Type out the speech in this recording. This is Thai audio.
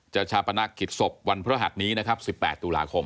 ชาปนักกิจศพวันพระหัสนี้นะครับ๑๘ตุลาคม